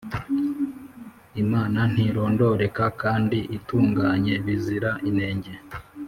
Imana ntirondoreka kandi itunganye bizira inenge.